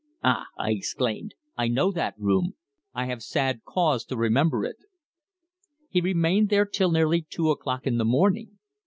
"Ah!" I exclaimed. "I know that room. I have sad cause to remember it!" "He remained there till nearly two o'clock in the morning.